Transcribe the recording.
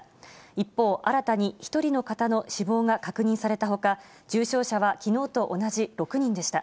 一方、新たに１人の方の死亡が確認されたほか、重症者はきのうと同じ６人でした。